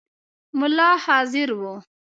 مُلا حاضر وو.